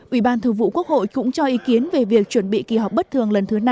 ủy ban thường vụ quốc hội cũng cho ý kiến về việc chuẩn bị kỳ họp bất thường lần thứ năm